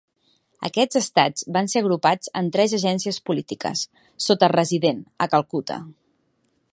Aquests estats van ser agrupats en tres agències polítiques, sota "Resident" a Calcuta.